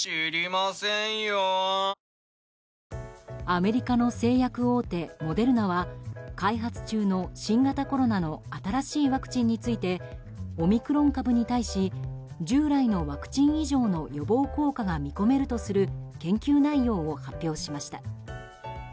アメリカの製薬大手モデルナは開発中の新型コロナの新しいワクチンについてオミクロン株に対し従来のワクチン以上の予防効果が見込めるとする研究内容を発表しました。